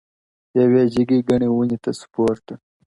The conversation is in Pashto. یوې جگي گڼي وني ته سو پورته!.